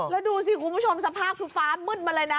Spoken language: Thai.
แล้วดูสิคุณผู้ชมสภาพคือฟ้ามืดมาเลยนะ